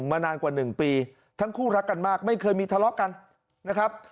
มานานกว่า๑ปีทั้งคู่รักกันมากไม่เคยมีทะเลาะกันนะครับ